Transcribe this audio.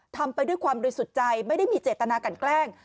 ทำไปด้วยความบริสุทธิ์ใจไม่ได้มีเจตนากันแกล้ง